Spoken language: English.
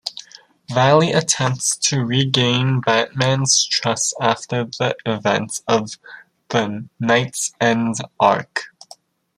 Valley attempts to regain Batman's trust after the events of the "KnightsEnd" arc.